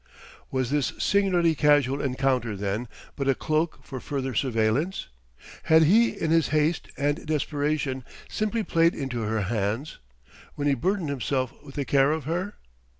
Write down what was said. Was this singularly casual encounter, then, but a cloak for further surveillance? Had he in his haste and desperation simply played into her hands, when he burdened himself with the care of her?